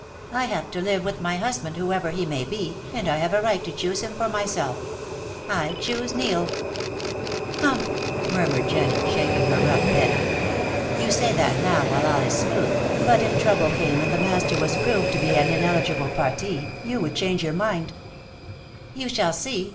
I have to live with my husband, whoever he may be, and I have a right to choose him for myself. I choose Neil." "Humph!" murmured Jennie, shaking her rough head. "You say that now while all is smooth; but if trouble came, and the Master was proved to be an ineligible parti, you would your mind." "You shall see.